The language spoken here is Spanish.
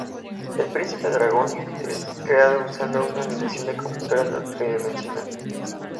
El Príncipe Dragón es creado usando una animación de computadora tridimensional.